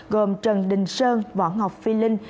gồm trần đình sơn võ ngọc phi linh